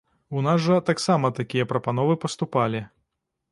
У нас жа таксама такія прапановы паступалі.